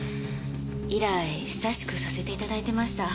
以来親しくさせていただいてました。